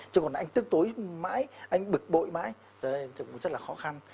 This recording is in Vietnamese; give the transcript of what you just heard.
chứ còn anh tức tối mãi anh bực bội mãi thì cũng rất là khó khăn